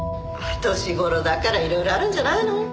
年頃だから色々あるんじゃないの？